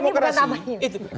oh ini bukan tabayun